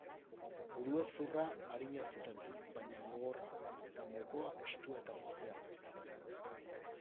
Burezurra arina zuten, baina gogorra, eta mokoa estua eta luzea.